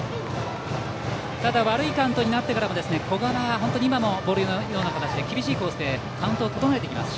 ただ、悪いカウントになってからも古賀は今のような形で厳しいコースでカウントを整えてきます。